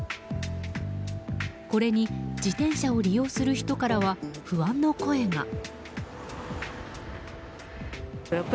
これに自転車を利用する人からは不安の声が。